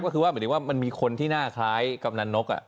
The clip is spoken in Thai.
ก็คือว่าหมายถึงว่ามันมีคนที่หน้าคล้ายกำนันนก